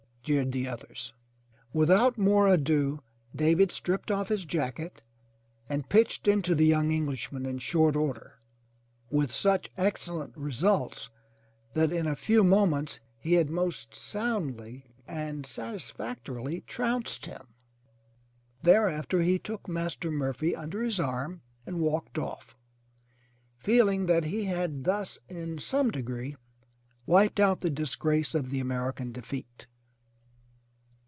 jeered the others. Without more ado David stripped off his jacket and pitched into the young Englishman in short order, with such excellent results that in a few moments he had most soundly and satis factorily trounced him. Thereafter he took Master Murphy under his arm and walked off, feeling that he had thus in some degree wiped out the disgrace of the American defeat!